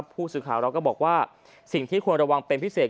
ผู้สื่อข่าวเราก็บอกว่าสิ่งที่ควรระวังเป็นพิเศษ